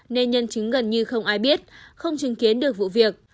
nên nhân chứng gần như không ai biết không chứng kiến được vụ việc